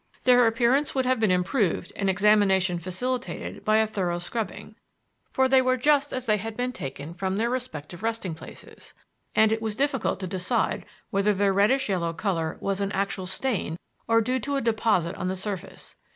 Their appearance would have been improved and examination facilitated by a thorough scrubbing, for they were just as they had been taken from their respective resting places, and it was difficult to decide whether their reddish yellow color was an actual stain or due to a deposit on the surface.